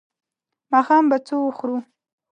ماښام به څه وخورو؟